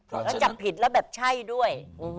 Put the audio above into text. แล้วจับผิดแล้วแบบใช่ด้วย